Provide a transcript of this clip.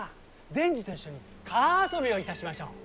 善児と一緒に川遊びをいたしましょう。